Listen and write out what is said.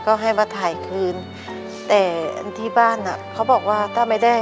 ก็ให้มาถ่ายคืนแต่ที่บ้านอ่ะเขาบอกว่าถ้าไม่ได้